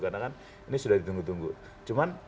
karena kan ini sudah ditunggu tunggu cuman